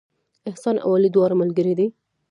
احسان او علي دواړه ملګري دي